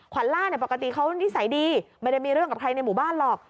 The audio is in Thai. วันล่าเนี่ยปกติเขานิสัยดีไม่ได้มีเรื่องกับใครในหมู่บ้านหรอก